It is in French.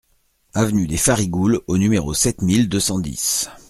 Avenue des Farigoules au numéro sept mille deux cent dix